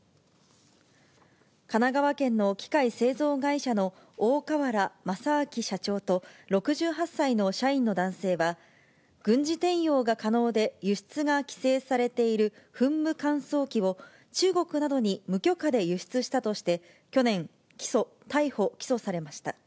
神奈川県の機械製造会社の大川原正明社長と、６８歳の社員の男性は、軍事転用が可能で輸出が規制されている噴霧乾燥機を中国などに無許可で輸出したとして、去年、逮捕・起訴されました。